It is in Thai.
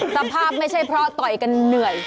สภาพไม่ใช่เพราะต่อยกันเหนื่อย